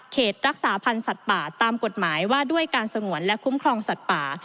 รักษาพันธ์สัตว์ป่าตามกฎหมายว่าด้วยการสงวนและคุ้มครองสัตว์ป่า